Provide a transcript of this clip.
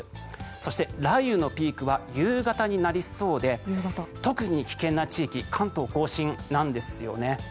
そして雷雨のピークは夕方になりそうで特に危険な地域は関東・甲信なんですよね。